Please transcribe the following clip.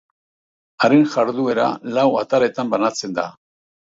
Haren jarduera lau ataletan banatzen da.